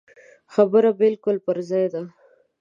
خبره بالکل پر ځای ده.